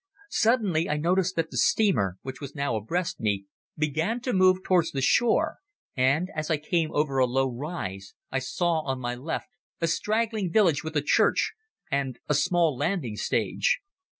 Suddenly I noticed that the steamer, which was now abreast me, began to move towards the shore, and as I came over a low rise, I saw on my left a straggling village with a church, and a small landing stage.